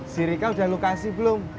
si rika udah lu kasih belum